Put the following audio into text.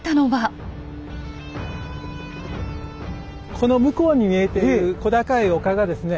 この向こうに見えている小高い丘がですね